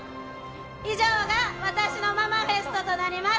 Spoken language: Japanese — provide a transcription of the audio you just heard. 以上が私のママフェストとなります。